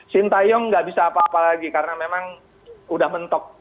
sinteyong tidak bisa apa apa lagi karena memang sudah mentok